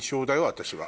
私は。